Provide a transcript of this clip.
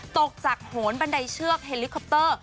ตกจากโหนบันไดเชือกเฮลิคอปเตอร์